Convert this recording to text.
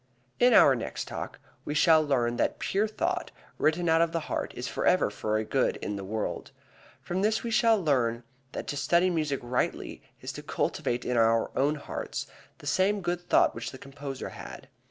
In our next Talk we shall learn that pure thought, written out of the heart, is forever a good in the world. From this we shall learn that to study music rightly is to cultivate in our own hearts the same good thought which the composer had.